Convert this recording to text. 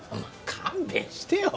勘弁してよ。